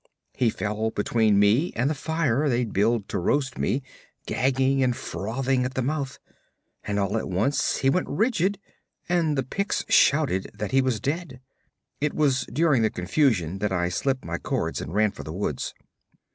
He fell between me and the fire they'd built to roast me, gagging and frothing at the mouth, and all at once he went rigid and the Picts shouted that he was dead. It was during the confusion that I slipped my cords and ran for the woods.